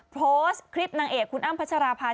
โพสต์คลิปนางเอกคุณอ้ำพัชราภา